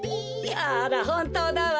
あらほんとうだわね。